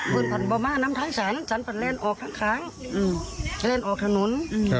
คืนถ้ามาทางฉันฉันผ่าเลนออกทางทางเลนออกทางนุน